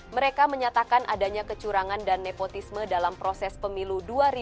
mereka menyatakan adanya kecurangan dan nepotisme dalam proses pemilu dua ribu dua puluh